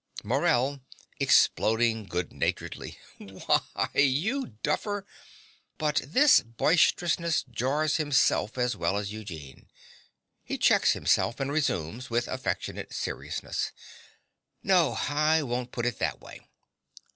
MORELL (exploding good humoredly). Why, you duffer (But this boisterousness jars himself as well as Eugene. He checks himself, and resumes, with affectionate seriousness) No: I won't put it in that way.